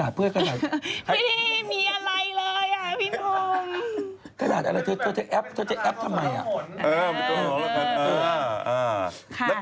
จะกลับมุญ